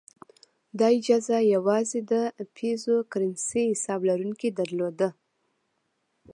دا اجازه یوازې د پیزو کرنسۍ حساب لرونکو درلوده.